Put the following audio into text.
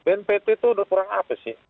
bnpt itu udah kurang apa sih